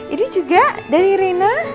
ini juga dari rena